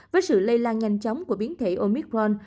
với sự lây lan nhanh chóng của biến thể omicron